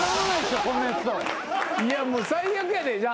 いやもう最悪やで。